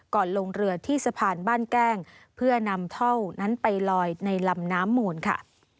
ลงเรือที่สะพานบ้านแก้งเพื่อนำเท่านั้นไปลอยในลำน้ำมูลค่ะ